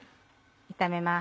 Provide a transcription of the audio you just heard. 炒めます。